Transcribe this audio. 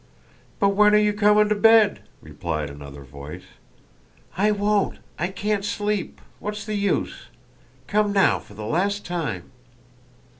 "But when are you coming to bed?" replied another voice. "I won't, I can't sleep, what's the use? Come now for the last time."